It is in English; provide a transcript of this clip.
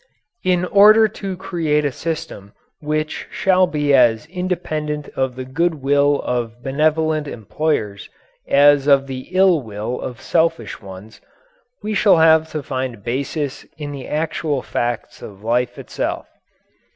In order to create a system which shall be as independent of the good will of benevolent employers as of the ill will of selfish ones, we shall have to find a basis in the actual facts of life itself.